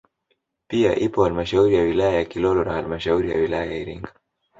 Pia ipo halmashauri ya wilaya ya Kilolo na halmashauri ya wilaya ya Iringa